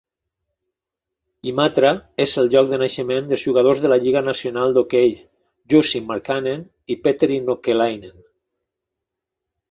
Imatra és el lloc de naixement dels jugadors de la Lliga nacional d'hoquei Jussi Markkanen i Petteri Nokelainen.